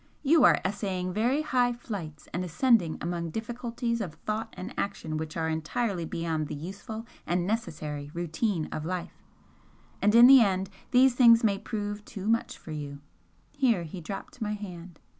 You are essaying very high flights and ascending among difficulties of thought and action which are entirely beyond the useful and necessary routine of life, and in the end these things may prove too much for you." Here he dropped my hand.